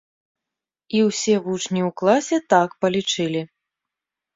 І ўсе вучні ў класе так палічылі.